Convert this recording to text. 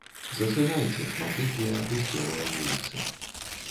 Засынайце, шматлікія апусцелыя вуліцы.